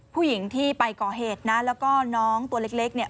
ผู้หญิงที่ไปก่อเหตุนะแล้วก็น้องตัวเล็กเนี่ย